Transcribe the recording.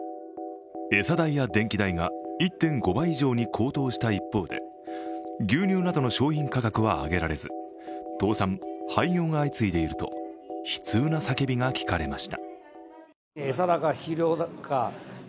餌代や電気代が１．５倍以上に高騰した一方で牛乳などの商品価格は上げられず、倒産、廃業が相次いでいると悲痛な叫びが聞かれました。